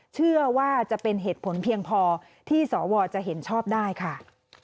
เชื่อว่าจะเป็นเหตุผลเพียงพอที่สวจะเห็นชอบได้ค่ะ